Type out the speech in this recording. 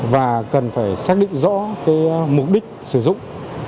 và cần phải xác định rõ cái mục đích sử dụng